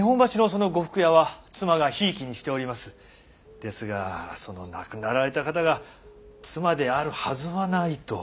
ですがその亡くなられた方が妻であるはずはないと。